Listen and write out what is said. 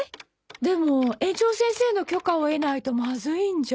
でも園長先生の許可を得ないとまずいんじゃ。